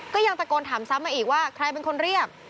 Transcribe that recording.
ก็ยังตะโกนถามซ้ำมาอีกว่าใครเป็นคนเรียก